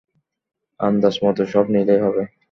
আন্দাজমতো সব নিলেই হবে।